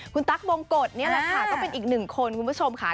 คุณตั๊กบงกฎนี่แหละค่ะก็เป็นอีกหนึ่งคนคุณผู้ชมค่ะ